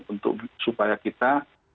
untuk supaya kita